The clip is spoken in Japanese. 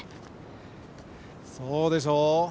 そうでしょう。